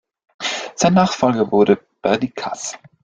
Sein Nachfolger wurde Perdikkas.